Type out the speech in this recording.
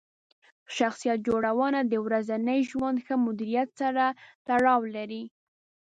شخصیت جوړونه د ورځني ژوند ښه مدیریت سره تړاو لري.